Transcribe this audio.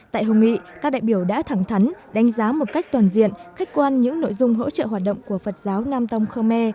tại hồng nghị các đại biểu đã thẳng thắn đánh giá một cách toàn diện khách quan những nội dung hỗ trợ hoạt động của phật giáo nam tông khơ me